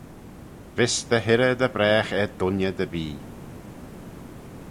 Vees dy hirrey dy bragh er dooinney dy bee.